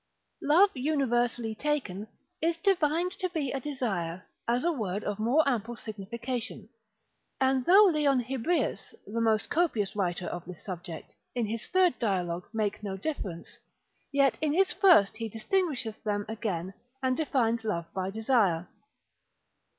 Love universally taken, is defined to be a desire, as a word of more ample signification: and though Leon Hebreus, the most copious writer of this subject, in his third dialogue make no difference, yet in his first he distinguisheth them again, and defines love by desire.